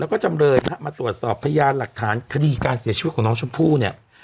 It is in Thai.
แล้วก็จำเลยฮะมาตรวจสอบพยานหลักฐานคดีการเสียชีวิตของน้องชมพู่เนี่ย